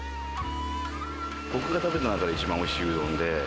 僕が食べた中で一番おいしいうどんで。